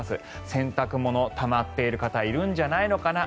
洗濯物たまっている方いるんじゃないのかな？